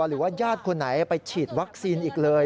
หรือว่าญาติคนไหนไปฉีดวัคซีนอีกเลย